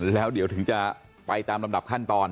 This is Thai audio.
แล้วเดี๋ยวถึงจะไปตามลำดับขั้นตอน